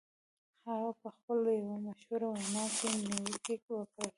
هغه په خپله یوه مشهوره وینا کې نیوکې وکړې